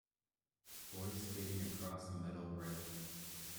Boy skating across a metal rail.